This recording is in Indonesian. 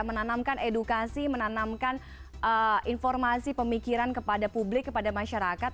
menanamkan edukasi menanamkan informasi pemikiran kepada publik kepada masyarakat